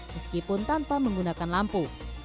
meskipun tanpa menggunakan lampu